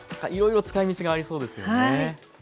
いろいろ使い道がありそうですよね。